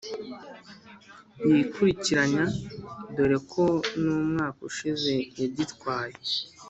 yikurikiranya, dore ko n’umwaka ushize yagitwaye.